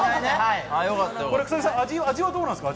味はどうなんですか？